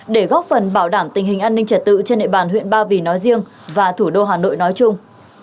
để góp phần bảo đảm tình hình an ninh trật tự trên địa bàn huyện ba vì nói riêng và thủ đô hà nội nói chung